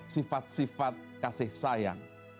sifat sifat kasih sayang